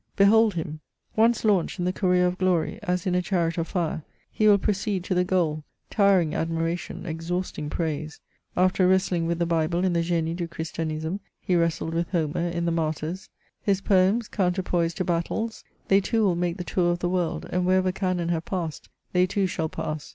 Behold him ! Once launched in the career of glory, as in a chariot of fire, he will proceed t9 the goal, tiring admiration, exhausting praise. After wrestling with the Bible in the . Genie du Cluristiamsmey he wrestled with^gomer in the Mar tyrs. His poems, counterpoise tojMrttles, they too will make the tour of the world, andjpcfa^fever cannon have passed, they too shall pass.